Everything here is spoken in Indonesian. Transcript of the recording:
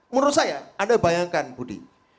menurut saya anda bayangkan budi